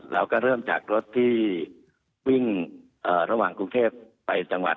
เราก็เริ่มจากรถที่วิ่งระหว่างกรุงเทพไปจังหวัด